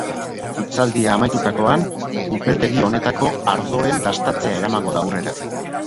Hitzaldia amaitutakoan, upeltegi honetako ardoen dastatzea eramango da aurrera.